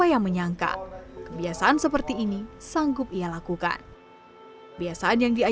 hua mei men bottoms bu toko nsung ha